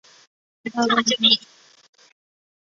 贝莱人口变化图示